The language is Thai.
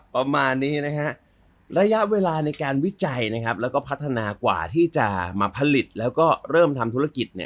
ประมาณนี้นะฮะระยะเวลาในการวิจัยนะครับแล้วก็พัฒนากว่าที่จะมาผลิตแล้วก็เริ่มทำธุรกิจเนี่ย